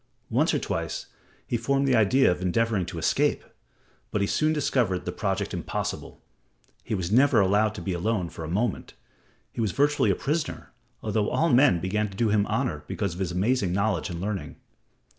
Once or twice he formed the idea of endeavoring to escape, but he soon discovered the project impossible. He was never allowed to be alone for a moment; he was virtually a prisoner, although all men began to do him honor because of his amazing knowledge and learning.